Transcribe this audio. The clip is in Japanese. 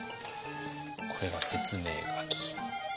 これが説明書き。